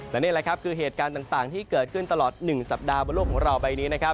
และนี่คือเหตุการณ์ต่างที่เกิดขึ้นตลอด๑สัปดาห์บนโลกของเราใบนี้